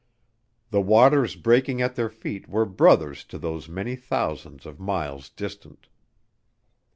The waters breaking at their feet were brothers to those many thousands of miles distant.